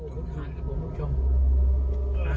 เห็นเลยค่ะผู้ชมเม้ย